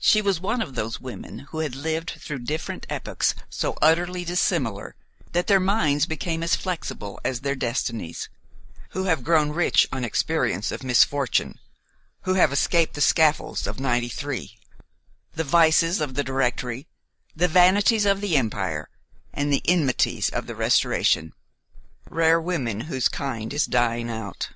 She was one of those women who had lived through different epochs so utterly dissimilar that their minds become as flexible as their destinies; who have grown rich on experience of misfortune; who have escaped the scaffolds of '93, the vices of the Directory, the vanities of the Empire and the enmities of the Restoration; rare women, whose kind is dying out.